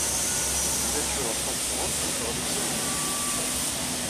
Nna Lǧuheṛ Tabetṛunt teɣli d timendeffirt.